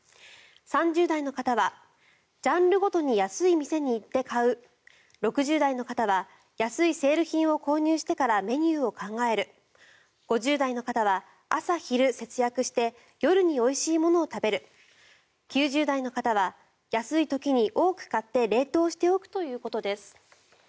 ３０代の方はジャンルごとに安い店に行って買う６０代の方は安いセール品を購入してからメニューを考える５０代の方は、朝昼節約して夜においしいものを食べる９０代の方は安い時に多く買って冷凍しておくということです。